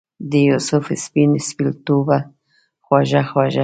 دیوسف سپین سپیڅلتوبه خوږه خوږه